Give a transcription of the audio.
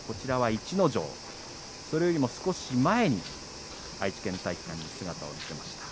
逸ノ城、それよりも少し前に愛知県体育館に姿を見せました。